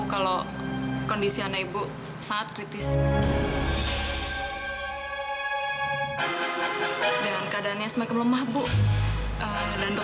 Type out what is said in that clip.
kondisi semakin merosot dok